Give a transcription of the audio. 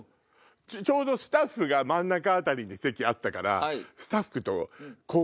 ちょうどスタッフが真ん中あたりに席あったから。